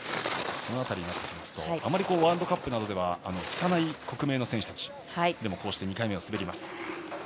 この辺りになってくるとあまりワールドカップなどでは聞かない国名の選手たちでも２回目を滑ります。